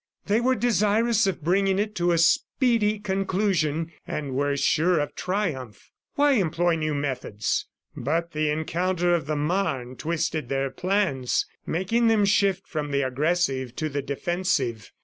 They were desirous of bringing it to a speedy conclusion, and were sure of triumph. Why employ new methods? ... But the encounter of the Marne twisted their plans, making them shift from the aggressive to the defensive.